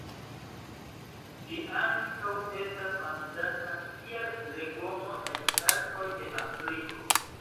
Ĝi ankaŭ estas manĝata kiel legomo en partoj de Afriko.